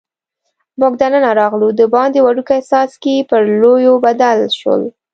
موږ دننه راغلو، دباندې وړوکي څاڅکي پر لویو بدل شول.